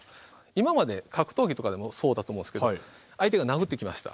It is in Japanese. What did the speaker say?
今まで格闘技とかでもそうだと思うんですけど相手が殴ってきました。